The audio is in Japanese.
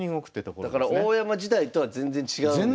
だから大山時代とは全然違うんですね。